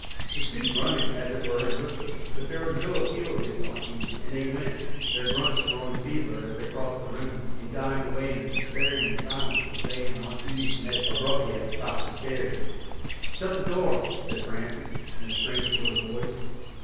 The two grunted as it were in whispers, but there was no appeal against Aunt Enid, and they went, their grunts growing feebler as they crossed the room, and dying away in a despairing silence as they and Aunt Enid met abruptly at the top of the stairs. "Shut the door," said Francis, in a strained sort of voice.